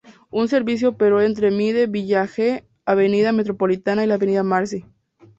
Un servicio operó entre Middle Village-Avenida Metropolitana y la avenida Marcy.